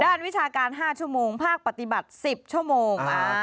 วิชาการ๕ชั่วโมงภาคปฏิบัติ๑๐ชั่วโมง